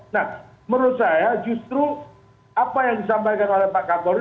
nah menurut saya justru apa yang disampaikan oleh pak kapolri